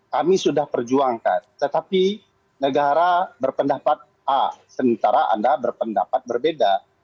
kami sudah perjuangkan tetapi negara berpendapat a sementara anda berpendapat berbeda